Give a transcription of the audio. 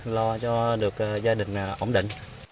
lo cho được gia đình ổn định